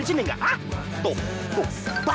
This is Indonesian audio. eh tapi ingat ya